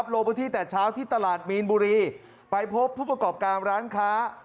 ลงพื้นที่แต่เช้าที่ตลาดมีนบุรีไปพบผู้ประกอบการร้านค้า